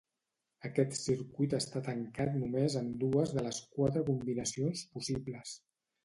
Aquest circuit està tancat només en dues de les quatre combinacions possibles.